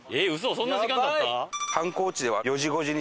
そんな時間経った？